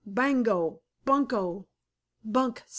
Bango! Bunko! Bunk!